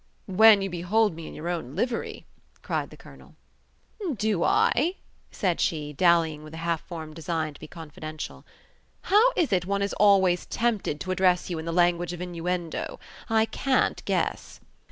"When you behold me in your own livery!" cried the colonel. "Do I?" said she, dallying with a half formed design to be confidential. "How is it one is always tempted to address you in the language of innuendo? I can't guess."